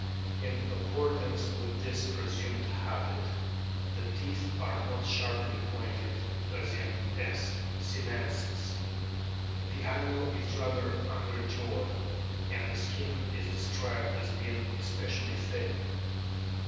In accordance with this presumed habit the teeth are not sharply pointed as in S. sinensis. The animal is rather underjawed, and the skin is described as being especially thick.